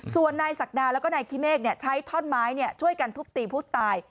ส่วนนายสักดาและขี้เมฆใช้ทอดไม้เนี่ยช่วยกันทุบตีผู้ตาย